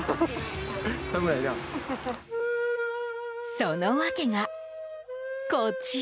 その訳が、こちら。